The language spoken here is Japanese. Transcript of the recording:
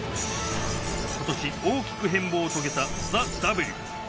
ことし、大きく変貌を遂げたＴＨＥＷ。